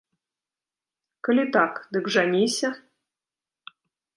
Калі так, дык жаніся.